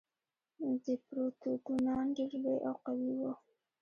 ديپروتودونان ډېر لوی او قوي وو.